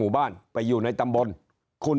ตัวเลขการแพร่กระจายในต่างจังหวัดมีอัตราที่สูงขึ้น